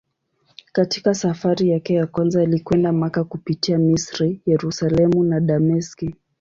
Katika safari yake ya kwanza alikwenda Makka kupitia Misri, Yerusalemu na Dameski.